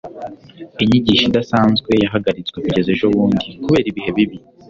inyigisho idasanzwe yahagaritswe kugeza ejobundi kubera ibihe bibi